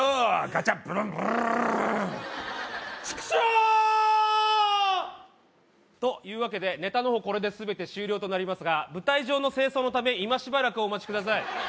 ガチャブルンブルルルルチクショー！というわけでネタの方これで全て終了となりますが舞台上の清掃のため今しばらくお待ちください